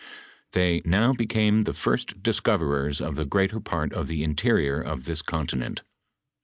Tliey "now became the first discoverers of the greater part of the interior of this continent.